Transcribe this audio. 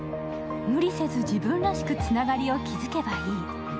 無理せず自分らしくつながりを築けばいい。